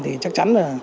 thì chắc chắn là